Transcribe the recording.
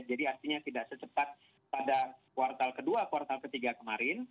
artinya tidak secepat pada kuartal kedua kuartal ketiga kemarin